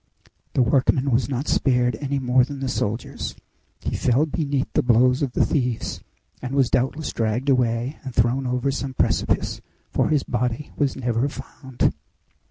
The workman was not spared any more than the soldiers. He fell beneath he blows of the thieves, and was doubtless dragged away and thrown over some precipice, for his body was never found."